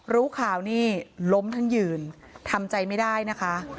รู้ข่าวนี่ล้มทั้งยืนทำใจไม่ได้นะคะ